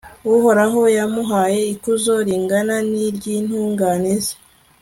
uhoraho yamuhaye ikuzo ringana n'iry'intungane ze